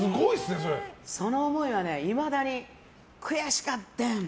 その思いはいまだに悔しかってん！